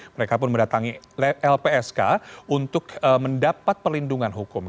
mereka pun mendatangi lpsk untuk mendapat pelindungan hukum